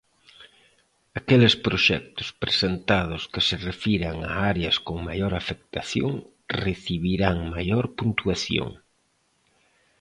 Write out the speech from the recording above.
Aqueles proxectos presentados que se refiran a áreas con maior afectación recibirán maior puntuación.